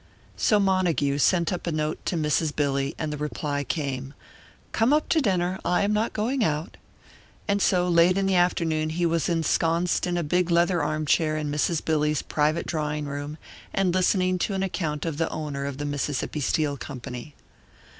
So Montague sent up a note to Mrs. Billy, and the reply came, "Come up to dinner. I am not going out." And so, late in the afternoon, he was ensconced in a big leather armchair in Mrs. Billy's private drawing room, and listening to an account of the owner of the Mississippi Steel Company.